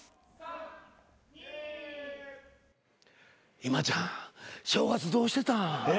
今ちゃん正月どうしてたん？